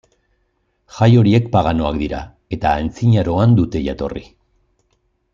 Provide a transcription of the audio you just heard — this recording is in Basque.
Jai horiek paganoak dira, eta antzinaroan dute jatorri.